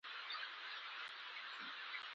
که نظر د پري مخ ته وشي.